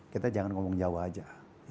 kita jangan ngomong jawa aja